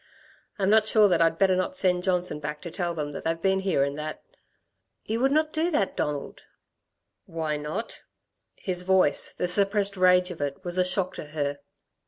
I am not sure that I'd better not send Johnson back to tell him that they've been here and that " "You would not do that, Donald?" "Why not?" His voice, the suppressed rage of it, was a shock to her.